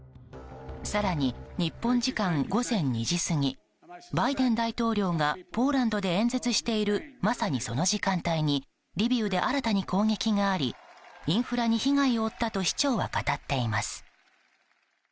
更に日本時間午前２時過ぎバイデン大統領がポーランドで演説しているまさに、その時間帯にリビウで新たに攻撃がありインフラに被害を負ったと市長は語っています。